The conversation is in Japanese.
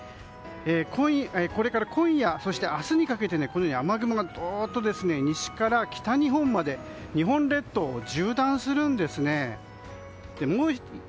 これから今夜、明日にかけて雨雲がどっと西から北日本まで日本列島を縦断するんです。